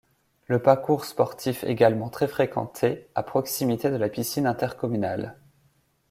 Le parcours sportif également très fréquenté à proximité de la piscine intercommunale.